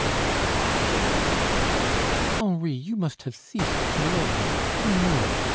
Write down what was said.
"Henri, you must have ceased to love me, I know it!"